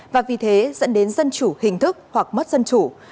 và vì thế dẫn đến dân chủ hình thức hoặc mất dân chủ